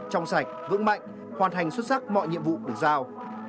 trong sạch vững mạnh hoàn thành xuất sắc mọi nhiệm vụ được giao